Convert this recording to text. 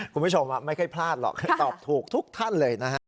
คุณผู้ชมไม่ค่อยพลาดหรอกตอบถูกทุกท่านเลยนะฮะ